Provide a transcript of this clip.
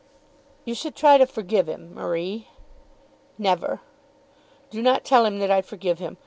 "You should try to forgive him, Marie." "Never. Do not tell him that I forgive him.